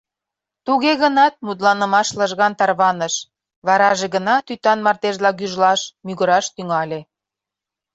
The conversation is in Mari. Туге гынат мутланымаш лыжган тарваныш, вараже гына тӱтан мардежла гӱжлаш, мӱгыраш тӱҥале.